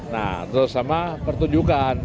nah terus sama pertunjukan